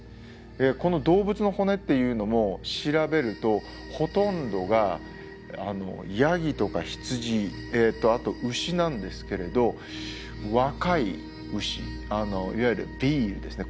この動物の骨っていうのも調べるとほとんどがヤギとか羊あと牛なんですけれど若い牛いわゆるヴィールですね